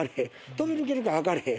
飛びぬけるか分からへん。